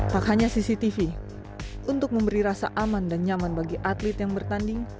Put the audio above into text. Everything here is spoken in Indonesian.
tak hanya cctv untuk memberi rasa aman dan nyaman bagi atlet yang bertanding